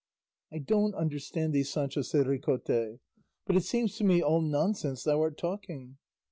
"I don't understand thee, Sancho," said Ricote; "but it seems to me all nonsense thou art talking.